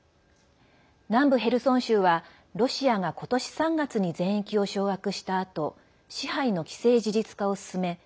南部ヘルソン州は、ロシアが今年３月に全域を掌握したあと支配の既成事実化を進め